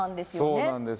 そうなんです